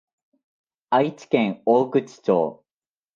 愛知県大口町